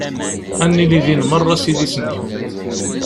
Ad nili din merra s idis-nkent.